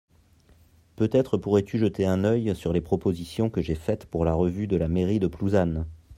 peut-être pourrais-tu jeter un œil sur les propositions que j'ai faite pour la revue de la mairie de Plouzane.